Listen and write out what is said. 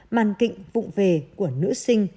màn kịnh vụn về của nữ sinh